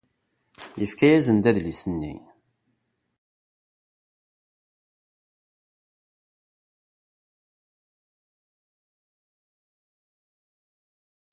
Yefka-asen-d adlis-nni.